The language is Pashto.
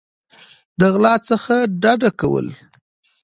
د غلا څخه ډډه کول